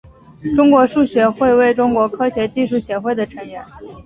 中国数学会为中国科学技术协会的成员。